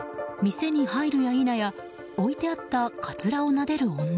店に入るや否や置いてあったかつらをなでる女。